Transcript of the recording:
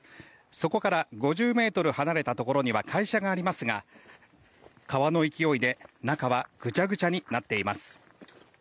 そこから５０ｍ離れたところには会社がありますが川の勢いで、中はぐちゃぐちゃになっています。